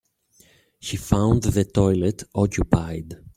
He found the toilet occupied.